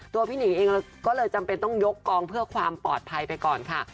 พี่หนิงเองก็เลยจำเป็นต้องยกกองเพื่อความปลอดภัยไปก่อนค่ะ